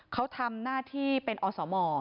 เขาทำหน้าที่เป็นอสม